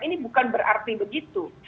ini bukan berarti begitu